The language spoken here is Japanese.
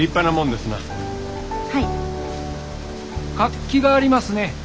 活気がありますね。